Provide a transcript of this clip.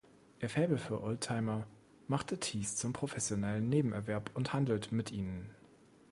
Ihr Faible für Oldtimer machte Teese zum professionellen Nebenerwerb und handelt mit ihnen.